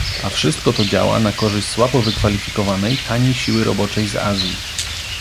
A wszystko to działa na korzyść słabo wykwalifikowanej, taniej siły roboczej z Azji